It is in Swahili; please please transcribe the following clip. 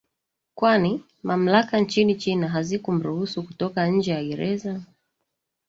kwani mamlaka nchini china haziku mruhusu kutoka nje ya gereza